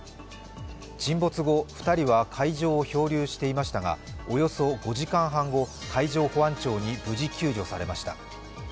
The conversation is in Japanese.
沈没後、２人は海上を漂流していましたがおよそ５時間半後、海上保安庁に無事、救助されました。